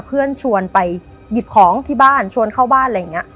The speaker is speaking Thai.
ชวนไปหยิบของที่บ้านชวนเข้าบ้านอะไรอย่างนี้